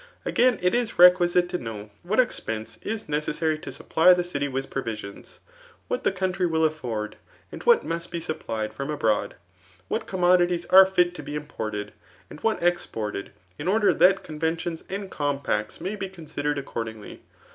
Again, it is requisite to know what expense is neces sary to sup|)ly the city with provision, wlnt the country will afford, and what must be supplied from abroad* What commodities afe fit to be imported, and what ex* pdrted, in oixier that conventions and compacts' may be 9bnaidefed accordingly.